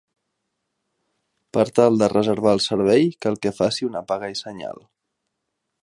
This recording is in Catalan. Per tal de reservar el servei cal que faci una paga i senyal.